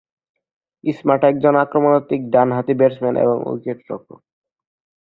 Smart একজন আক্রমণাত্মক ডানহাতি ব্যাটসম্যান এবং উইকেটরক্ষক।